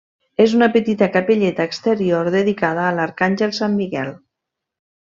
És una petita capelleta exterior dedicada a l'arcàngel Sant Miquel.